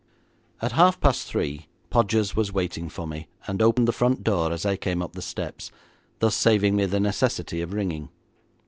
At half past three Podgers was waiting for me, and opened the front door as I came up the steps, thus saving me the necessity of ringing.